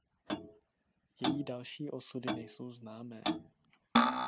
Její další osudy nejsou známé.